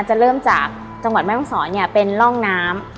จะเริ่มจากจังหวัดแม่ห้องศรเนี่ยเป็นร่องน้ำ